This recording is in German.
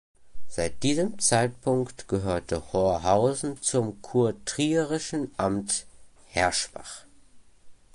Seit diesem Zeitpunkt gehörte Horhausen zum kurtrierischen Amt Herschbach.